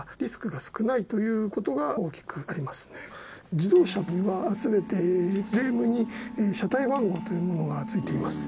自動車というのはすべてフレームに車台番号というものがついています。